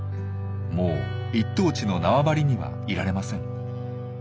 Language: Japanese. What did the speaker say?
もう一等地の縄張りにはいられません。